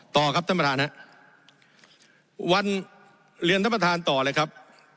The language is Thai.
ต่อครับท่านประธานฮะวันเรียนท่านประธานต่อเลยครับ